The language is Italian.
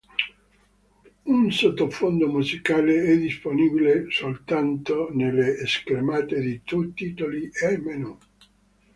Un sottofondo musicale è disponibile soltanto nelle schermate di titoli e menù.